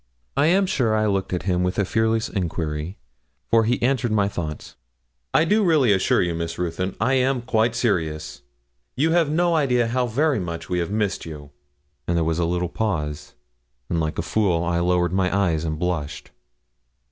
I am sure I looked at him with a fearless enquiry, for he answered my thoughts. 'I do really assure you, Miss Ruthyn, I am quite serious; you have no idea how very much we have missed you.' There was a little pause, and, like a fool, I lowered my eyes, and blushed.